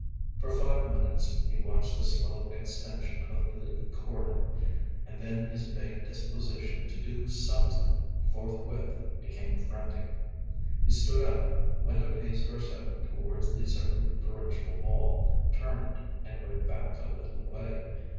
For five minutes he watched the slow extension of the cordon, and then his vague disposition to do something forthwith became frantic. He stood up, went a pace or so towards the circumferential wall, turned, and went back a little way.